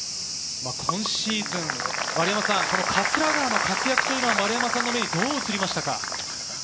今シーズン、丸山さん、桂川の活躍も丸山さんの目にどう映りましたか？